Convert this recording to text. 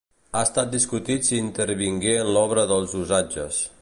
Ha estat discutit si intervingué en l'obra dels Usatges.